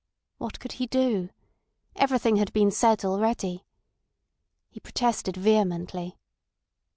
What could he do? Everything had been said already. He protested vehemently.